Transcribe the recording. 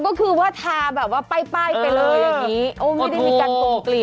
ก็คือว่าทาแบบว่าป้ายไปเลยอย่างนี้